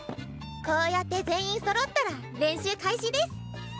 こうやって全員そろったら練習開始デス。